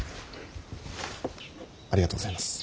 ありがとうございます。